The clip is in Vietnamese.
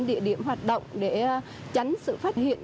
địa điểm hoạt động để chánh sự phát hiện